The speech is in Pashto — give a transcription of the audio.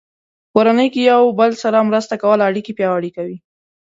په کورنۍ کې د یو بل سره مرسته کول اړیکې پیاوړې کوي.